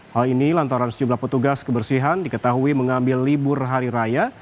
hal ini lantaran sejumlah petugas kebersihan diketahui mengambil libur hari raya